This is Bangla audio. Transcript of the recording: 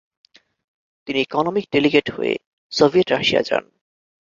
তিনি ইকনমিক ডেলিগেট হয়ে সোভিয়েত রাশিয়া যান।